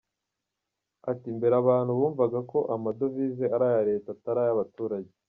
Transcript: Ati “Mbere abantu bumvaga ko amadovize ari aya Leta atari ay’abaturage.